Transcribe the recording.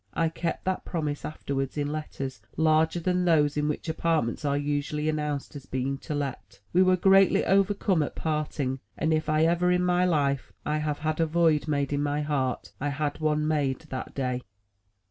(I kept that promise after wards in letters larger than those in which apartments are usually announced as being to let.) We were greatly overcome at parting, and if ever, in my life, I have had a void made in my heart, I had one made that day.